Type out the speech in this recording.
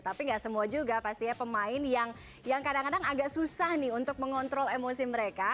tapi gak semua juga pastinya pemain yang kadang kadang agak susah nih untuk mengontrol emosi mereka